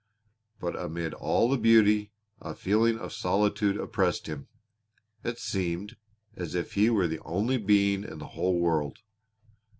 But amid all the beauty a subtle feeling of solitude oppressed him. It seemed as if he was the only being in the whole world.